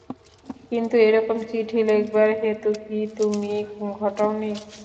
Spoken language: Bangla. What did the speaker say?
কিন্তু এইরকম চিঠি লেখবার হেতু কি তুমিই ঘটাও নি?